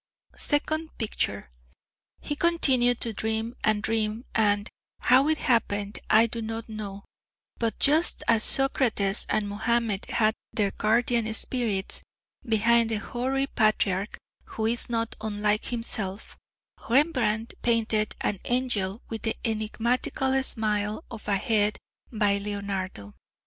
Second picture. He continued to dream and dream and, how it happened I do not know, but just as Socrates and Muhammed had their guardian spirits, behind the hoary patriarch who is not unlike himself, Rembrandt painted an angel with the enigmatical smile of a head by Leonardo....